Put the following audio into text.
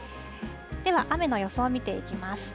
では、雨の予想見ていきます。